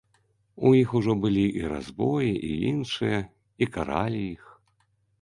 У іх ужо былі і разбоі, і іншае, і каралі іх.